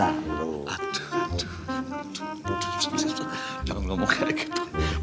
aduh aduh aduh aduh jangan ngomong kayak gitu